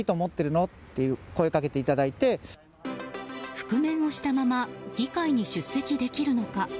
覆面をしたまま議会に出席できるのか。